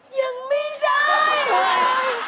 ยังไม่ได้เลย